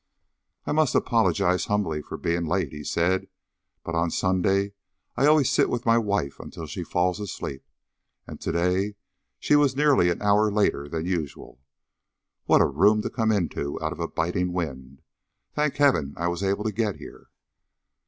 "I must apologize humbly for being late," he said, "but on Sunday I always sit with my wife until she falls asleep, and to day she was nearly an hour later than usual. What a room to come into out of a biting wind! Thank heaven I was able to get here."